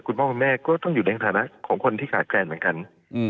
คุณพ่อคุณแม่ก็ต้องอยู่ในฐานะของคนที่ขาดแคลนเหมือนกัน